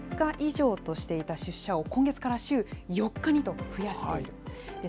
週３日以上としていた出社を、今月から週４日にと増やしています。